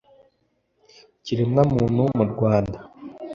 ikiremwamuntu mu rwanda.